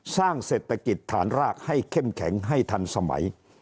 สร้างเศรษฐกิจฐานรากให้เข้มแข็งให้ทันสมัย